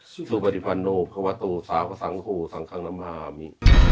สุปฏิพันธุพระควัตตู่สาวสังคู่สังคังน้ำหาอ่ามิ